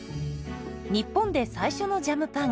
日本で最初のジャムパン。